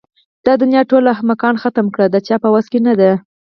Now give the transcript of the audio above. د دنيا ټول احمقان ختم کول د چا په وس کې نه ده.